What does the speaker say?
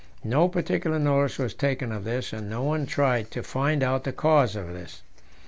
No particular notice was taken of this, and no one tried to find out the cause of it.